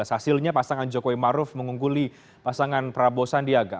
hasilnya pasangan jokowi maruf mengungguli pasangan prabowo sandiaga